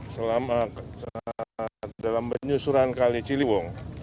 selama dalam penyusuran kali ciliwung